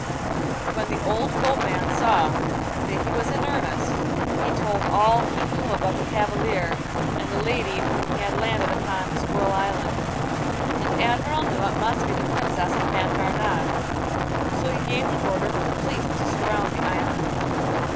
And when the old boatman saw that he was in earnest, he told all he knew about the cavalier and the lady whom he had landed upon Squirrel Island, and the Admiral knew it must be the Princess and Fanfaronade; so he gave the order for the fleet to surround the island.